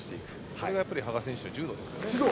これが羽賀選手の柔道ですね。